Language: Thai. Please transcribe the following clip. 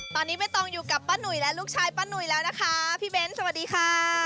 ตอนนี้ใบตองอยู่กับป้าหนุ่ยและลูกชายป้าหนุ่ยแล้วนะคะพี่เบ้นสวัสดีค่ะ